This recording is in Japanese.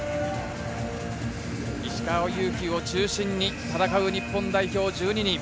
石川祐希を中心に戦う日本代表１２人。